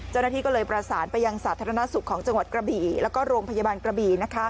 เจ้าน่ะธิก็เลยประสานไปยังศาสตร์ธนาสุขของจังหวัดกระบี่และก็โรงพยาบาลกระบี่